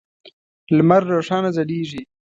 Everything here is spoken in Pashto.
لمر روښانه ځلیږی